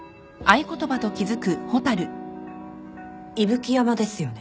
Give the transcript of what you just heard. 伊吹山ですよね。